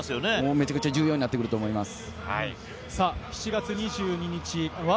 めちゃくちゃ重要になると思います。